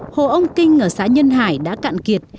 hồ ông kinh ở xã nhân hải đã cạn kiệt